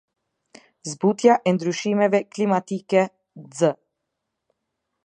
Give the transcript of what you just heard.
Zbutja e ndryshimeve klimatike x.